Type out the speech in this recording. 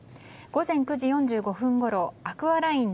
午前９時４５分ごろアクアライン